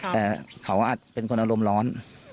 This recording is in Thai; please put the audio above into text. แต่เขาอาจเป็นคนอารมณ์ร้อน